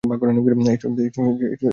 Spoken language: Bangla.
এসো আমরা যাই।